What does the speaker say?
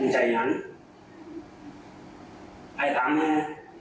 ใจยั้นไอ้ตามแม่